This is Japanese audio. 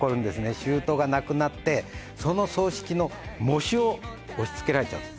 しゅうとが亡くなってその葬式の喪主を押しつけられちゃうんです